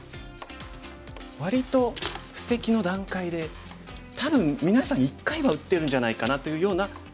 割と布石の段階で多分みなさん一回は打ってるんじゃないかなというような格好ですね。